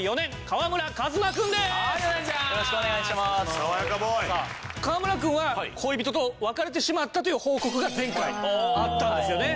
川村君は恋人と別れてしまったという報告が前回あったんですよね。